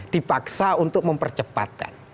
dipaksa untuk mempercepatkan